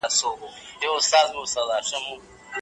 په بریتانیا کې یوه خیریه موسسه مېرمنې ملاتړ کوي.